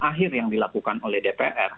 akhir yang dilakukan oleh dpr